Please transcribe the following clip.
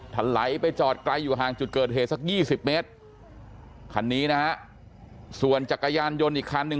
ถลายไปจอดไกลอยู่ห่างจุดเกิดเหตุสัก๒๐เมตรคันนี้นะฮะส่วนจักรยานยนต์อีกคันหนึ่ง